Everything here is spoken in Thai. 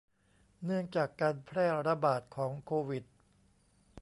เนื่องจากการแพร่ระบาดของโควิด